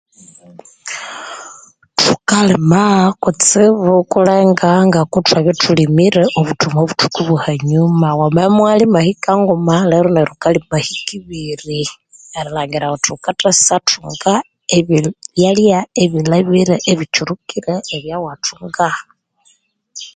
Thukalima kutsibu kulenga ngoku thwabya thwalimire obuthuku obwa ahanyuma, wamabya imuwalima hika nguma lero neryo wukalima hika ibiri erilhangira wuthi wukathasathunga ebindi byalya ebilhabire ebitsurukire ebyawa thunga.